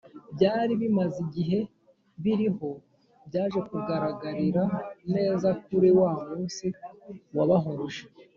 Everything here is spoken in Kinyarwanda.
Byari bimaze igihe biriho byaje kugaragarira neza kuri wa munsi wabahuje